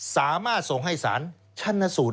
สามารถส่งให้สารชั้นสูตร